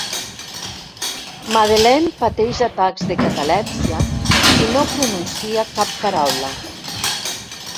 Madeleine pateix atacs de catalèpsia i no pronuncia cap paraula.